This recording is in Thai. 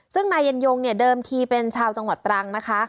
ซึ่งนายยันยงเนี่ยเดิมทีเป็นชาวจังหวัดตรังนะคะ